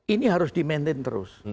ini harus dimaintain terus